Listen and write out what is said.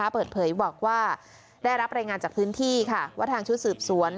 เปิดเผยบอกว่าได้รับรายงานจากพื้นที่ว่าทางชุดสืบสวน